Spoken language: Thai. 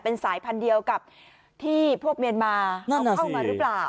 เป็นสายพันธุ์เดียวกับที่พวกเมียนมาเอาเข้ามาหรือเปล่า